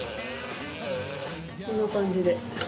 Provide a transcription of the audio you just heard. こんな感じで。